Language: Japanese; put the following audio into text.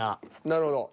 なるほど。